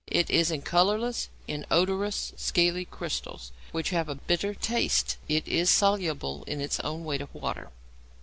It is in colourless, inodorous, scaly crystals, which have a bitter taste. It is soluble in its own weight of water.